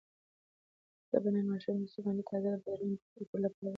زه به نن ماښام یو څو دانې تازه بادرنګ د خپلې کورنۍ لپاره واخلم.